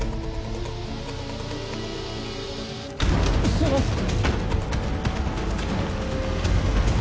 すいません。